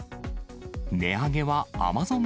値上げはアマゾン